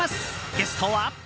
ゲストは。